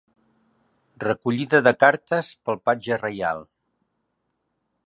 Recollida de cartes pel Patge Reial.